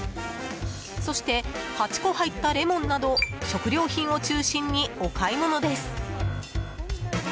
そして、８個入ったレモンなど食料品を中心にお買い物です。